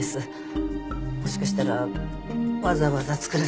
もしかしたらわざわざ作らせたのかも。